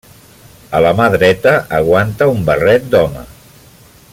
A la mà dreta aguanta un barret d'home.